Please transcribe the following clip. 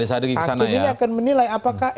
hakim ini akan menilai apakah